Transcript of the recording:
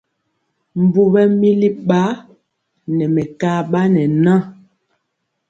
Mbu ɓɛmili ba ne mekaba ne ŋa.